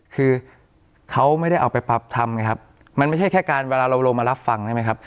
คุณภัยไม่ได้เอาไปปรับทำเนี่ยมันไม่ใช่แค่เวลาเรามารับฟังใช่ไหมครับ